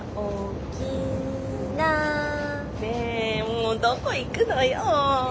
もうどこ行くのよ。